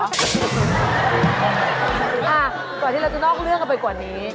ก่อนที่จะนอกเรื่องไปกว่านี้